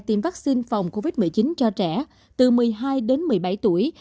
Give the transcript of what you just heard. tiêm vaccine phòng covid một mươi chín cho trẻ từ một mươi hai đến một mươi bảy tuổi